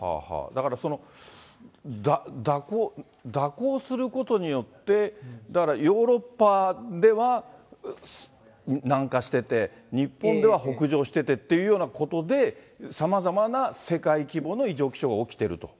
だから、蛇行することによって、だからヨーロッパでは南下してて、日本では北上しててというようなことで、さまざまな世界規模の異常気象が起きていると？